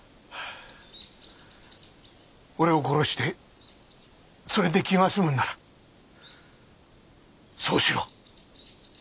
俺を殺してそれで気が済むんならそうしろ。